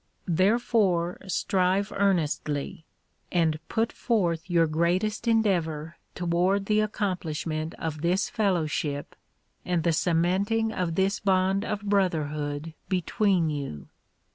Therefore strive earnestly and put forth your greatest endeavor toward the accomplishment of this fellowship and the cementing of this bond of brotherhood between you.